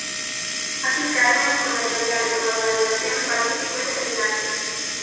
Aquí Carmen, con la que había retomado la relación, parece que fue determinante.